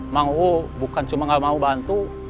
mang uu bukan cuma gak mau bantu